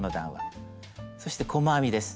そして細編みです。